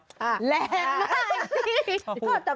แปลงมาก